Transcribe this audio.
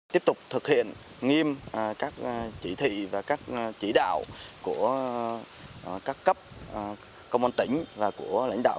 tiếp tục thực hiện nghiêm các chỉ thị và các chỉ đạo của các cấp công an tỉnh và của lãnh đạo